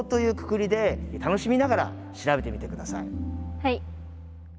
はい。